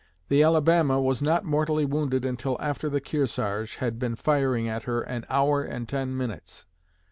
The Alabama was not mortally wounded until after the Kearsarge had been firing at her an hour and ten minutes.